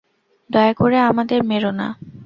দয়া করে আমাদের মেরো না।